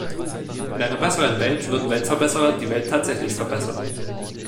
In einer besseren Welt würden Weltverbesserer die Welt tatsächlich verbessern.